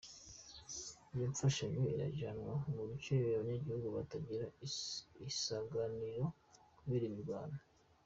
Iyo mfashanyo irajanwa mu bice abanyagihugu batagira isaganirizo kubera imirwano.